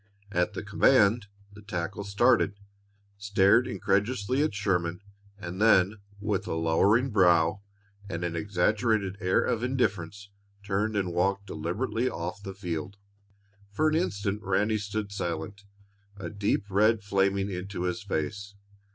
At the command the tackle started, stared incredulously at Sherman, and then, with lowering brow and an exaggerated air of indifference, turned and walked deliberately off the field. For an instant Ranny stood silent, a deep red flaming into his face.